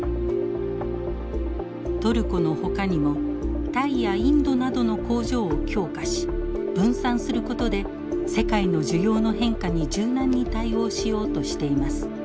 トルコのほかにもタイやインドなどの工場を強化し分散することで世界の需要の変化に柔軟に対応しようとしています。